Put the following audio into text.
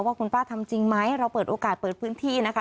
ว่าคุณป้าทำจริงไหมเราเปิดโอกาสเปิดพื้นที่นะคะ